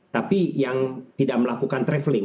tapi yang tidak melakukan traveling